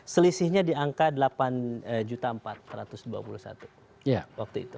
selisihnya di angka delapan empat ratus dua puluh satu waktu itu